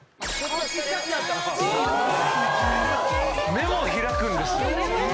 目も開くんです。